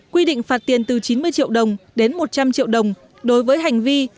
quy định phạt tiền từ chín mươi triệu đồng đến một trăm linh triệu đồng đối với hành vi